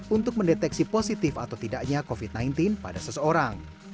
untuk mendeteksi positif atau tidaknya covid sembilan belas pada seseorang